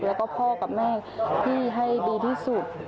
แล้วก็พ่อกับแม่ที่ให้ดีที่สุด